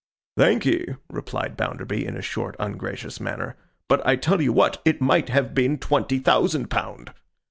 'Thank'ee,' replied Bounderby, in a short, ungracious manner. 'But I tell you what. It might have been twenty thousand pound.